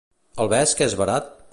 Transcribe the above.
El vesc és barat?